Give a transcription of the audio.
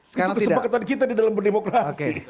sekarang tidak itu kesepakatan kita di dalam berdemokrasi